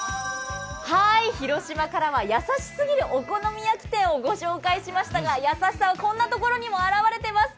広島からは優しすぎるお好み焼き店をご紹介しましたが優しさはこんなところにも現れています。